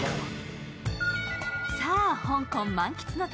さぁ、香港満喫の旅